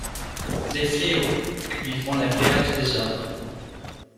Les fléaux, qui lui font la guerre du désordre